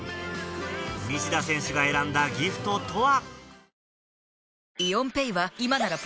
西田選手が選んだギフトとは？